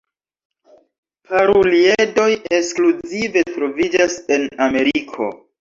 Paruliedoj ekskluzive troviĝas en Ameriko.